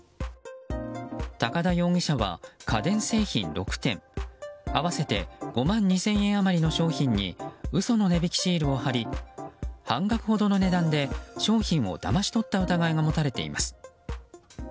高田容疑者は家電製品６点合わせて５万２０００円余りの商品に嘘の値引きシールを貼り半額ほどの値段で商品をだまし取った疑いが持たれています。